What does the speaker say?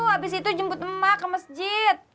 habis itu jemput emak ke masjid